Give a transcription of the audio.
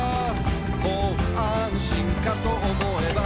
「もう安心かと思えば」